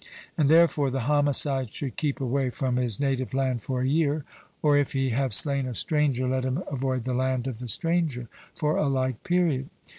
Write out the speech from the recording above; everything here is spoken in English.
And therefore the homicide should keep away from his native land for a year, or, if he have slain a stranger, let him avoid the land of the stranger for a like period.